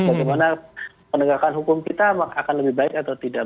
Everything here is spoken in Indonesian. bagaimana penegakan hukum kita akan lebih baik atau tidak